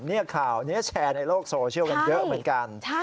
นี่แข่ในโลกโซเชียลกันเยอะเหมือนกัน